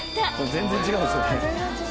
全然違うんすよね。